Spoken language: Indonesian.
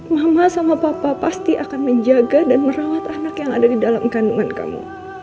mama sama papa pasti akan menjaga dan merawat anak yang ada di dalam kandungan kamu